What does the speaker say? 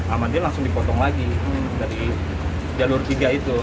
amatnya langsung dipotong lagi dari jalur tiga itu